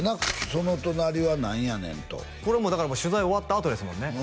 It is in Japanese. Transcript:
その隣は何やねんとこれもうだから取材終わったあとですもんね